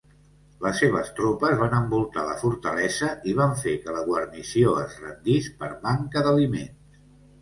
Les seves tropes van envoltar la fortalesa i van fer que la guarnició es rendís per manca d'aliments.